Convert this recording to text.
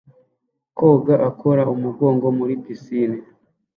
Koga akora umugongo muri pisine